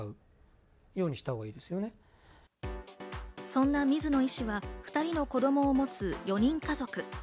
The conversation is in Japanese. そんな水野医師は２人の子供を持つ４人家族。